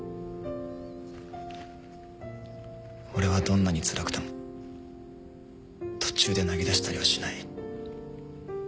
俺はどんなにつらくても途中で投げ出したりはしない。